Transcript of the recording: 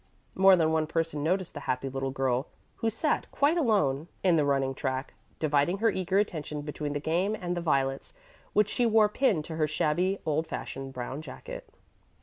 More than one person noticed the happy little girl who sat quite alone in the running track, dividing her eager attention between the game and the violets which she wore pinned to her shabby, old fashioned brown jacket.